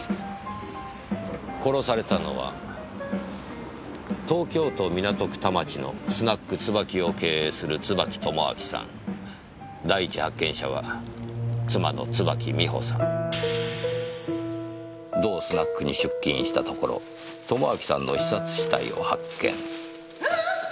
「殺されたのは東京都港区田町の『スナック椿』を経営する椿友章さん」「第一発見者は妻の椿美穂さん」「同スナックに出勤したところ友章さんの刺殺死体を発見」あっ！？